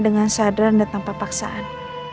dengan sadar dan tanpa paksaan